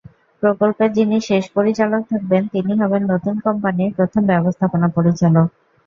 প্রকল্পের যিনি শেষ পরিচালক থাকবেন তিনি হবেন নতুন কোম্পানির প্রথম ব্যবস্থাপনা পরিচালক।